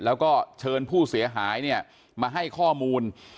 แล้วก็เชิญผู้เสียหายเนี่ยมาให้ข้อมูล